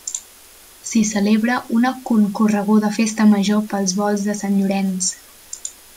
S'hi celebra una concorreguda festa major pels volts de Sant Llorenç.